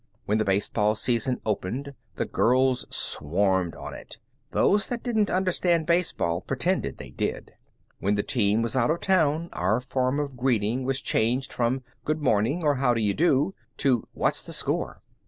When the baseball season opened the girls swarmed on it. Those that didn't understand baseball pretended they did. When the team was out of town our form of greeting was changed from, "Good morning!" or "Howdy do!" to "What's the score?"